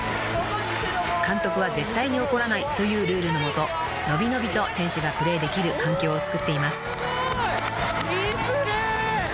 ［監督は絶対に怒らないというルールのもとのびのびと選手がプレーできる環境をつくっています］いいプレー。